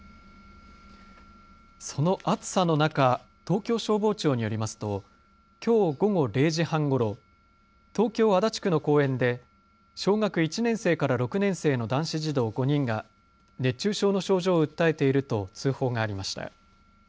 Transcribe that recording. その暑さの中、東京消防庁によりますときょう午後０時半ごろ、東京足立区の公園で小学１年生から６年生の男子児童５人が熱中症の症状を訴えていると通報がありました。